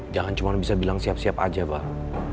jangan cuma bisa bilang siap siap aja pak